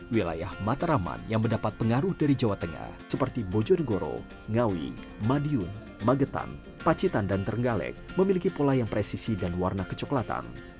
wilayah mataraman yang mendapat pengaruh dari jawa tengah seperti bojonegoro ngawi madiun magetan pacitan dan terenggalek memiliki pola yang presisi dan warna kecoklatan